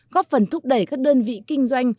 góp phần thúc đẩy các đơn vị kinh doanh